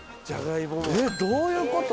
えっどういうこと？